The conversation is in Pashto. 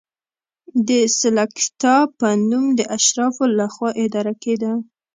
د سلکتا په نوم د اشرافو له خوا اداره کېده.